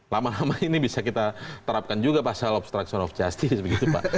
lama lama ini bisa kita terapkan juga pasal obstruction of justice begitu pak